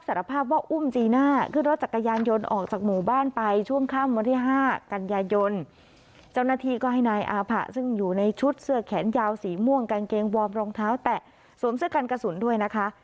สีม่วงกางเกงวอร์มรองเท้าแตะสวมเสื้อกันกระสุนด้วยนะคะ